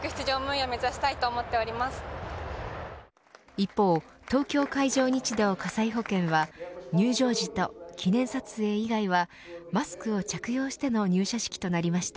一方、東京海上日動火災保険は入場時と記念撮影以外はマスクを着用しての入社式となりました。